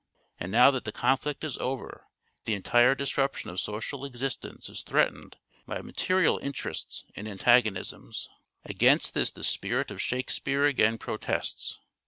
And now that the conflict is over, the entire disruption of social exist ence is threatened by material " interests " and antagonisms. Against this the spirit of " Shakespeare " again protests.